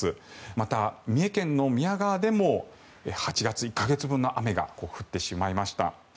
また、三重県の宮川でも８月１か月分の雨が降ってしまいました。